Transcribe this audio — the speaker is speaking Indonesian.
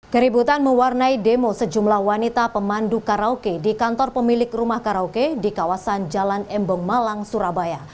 keributan mewarnai demo sejumlah wanita pemandu karaoke di kantor pemilik rumah karaoke di kawasan jalan embong malang surabaya